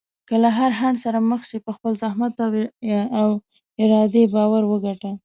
که له هر خنډ سره مخ شې، په خپل زحمت او ارادې باور وکړه.